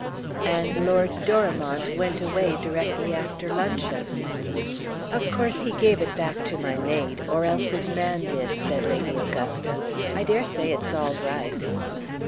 "'And Lord Dorimont went away directly after luncheon.' "'Of course he gave it back to my maid—or else his man did,' said Lady Augusta. 'I dare say it's all right.